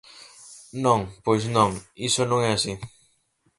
Non, pois non, iso non é así.